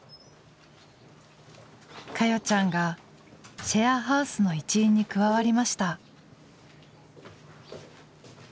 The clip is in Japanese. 華代ちゃんがシェアハウスの一員に加わりました。